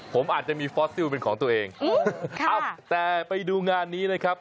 ผมอาจจะมีฟอสซิลเป็นของตัวเองเอ้าแต่ไปดูงานนี้นะครับ